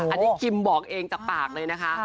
อันนี้คิมบอกเองจากปากเลยนะคะ